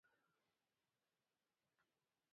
هومو سولوینسیس د اندونزیا په جاوا ټاپو کې ژوند کاوه.